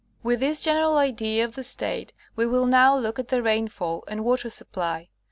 With this general idea of the State, we will now look at the rainfall and water supply.